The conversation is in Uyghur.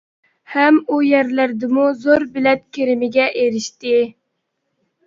ھەم ئۇ يەرلەردىمۇ زور بىلەت كىرىمىگە ئېرىشتى.